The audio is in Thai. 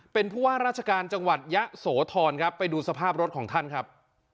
เป็นผู้ว่าราชการจังหวัดยะโสธรครับไปดูสภาพรถของท่านครับ